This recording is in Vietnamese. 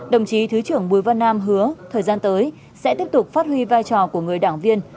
đồng chí thứ trưởng bùi văn nam hứa thời gian tới sẽ tiếp tục phát huy vai trò của người đảng viên